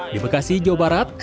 di bekasi jawa barat